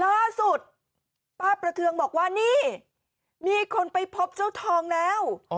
ล่าสุดป้าประเทืองบอกว่านี่มีคนไปพบเจ้าทองแล้ว